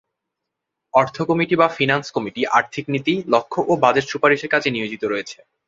অর্থ কমিটি বা finance committee আর্থিক নীতি, লক্ষ্য ও বাজেট সুপারিশের কাজে নিয়োজিত রয়েছে।